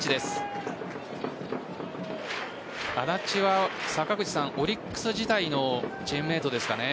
安達はオリックス時代のチームメートですかね？